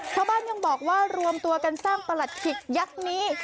ชาวบ้านยังบอกว่ารวมตัวกันสร้างประหลัดขิกยักษ์นี้